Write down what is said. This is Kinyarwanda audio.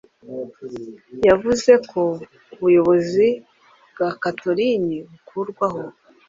yavuze ko ubuyobozi bwa Catalogne bukurwaho